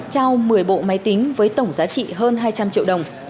trao một mươi bộ máy tính với tổng giá trị hơn hai trăm linh triệu đồng